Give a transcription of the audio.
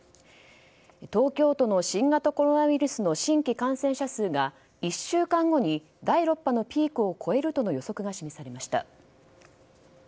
東京都の新型コロナウイルスの新規感染者数が１週間後に第６波のピークを超えるとの予測が示されました。